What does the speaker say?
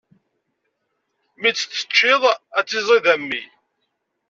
Mi tt-teččiḍ, ad tt-iẓid a mmi.